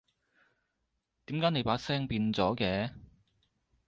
點解你把聲變咗嘅？